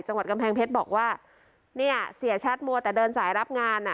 จังหวัดกำแพงเพชรบอกว่าเนี่ยเสียชัดมัวแต่เดินสายรับงานอ่ะ